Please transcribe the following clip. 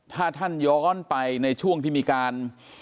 ถ้าท่านย้อนไปในช่วงที่มีการ